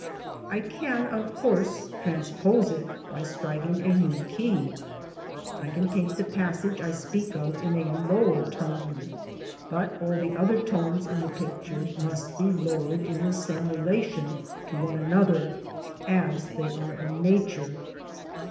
I can, of course, trans 'v pose it by striking a new key. I can paint the passage I speak ^V of in a lower tone, but all the other tones in the picture must be , lowered in the same relation to one another as they are in Nature.